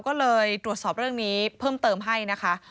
ก็เลยตรวจสอบเรื่องนี้เพิ่มเติมให้นะคะ